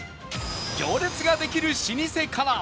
行列ができる老舗から